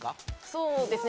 そうですね